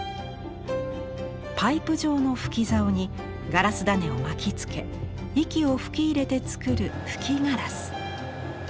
パイプ状の吹きざおにガラス種を巻きつけ息を吹き入れて作る吹きガラス。